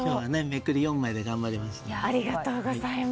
めくり４枚で頑張りました。